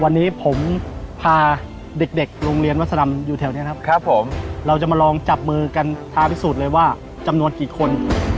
วันนี้ผมพาเด็กเด็กโรงเรียนวัสดำอยู่แถวนี้นะครับผมเราจะมาลองจับมือกันพาพิสูจน์เลยว่าจำนวนกี่คน